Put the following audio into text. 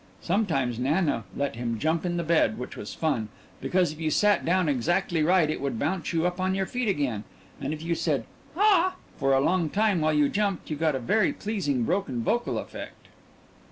Sometimes Nana let him jump on the bed, which was fun, because if you sat down exactly right it would bounce you up on your feet again, and if you said "Ah" for a long time while you jumped you got a very pleasing broken vocal effect.